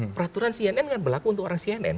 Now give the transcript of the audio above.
peraturan cnn kan berlaku untuk orang cnn